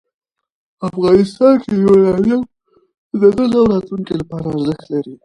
افغانستان کې یورانیم د نن او راتلونکي لپاره ارزښت لري.